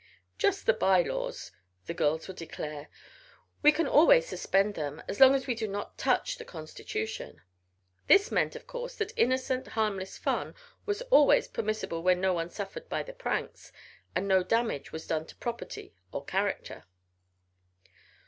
"Just the by laws," the girls would declare. "We can always suspend them, as long as we do not touch the constitution." This meant, of course, that innocent, harmless fun was always permissible when no one suffered by the pranks, and no damage was done to property or character.